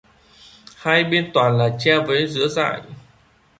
hai bên toàn là tre với dứa dại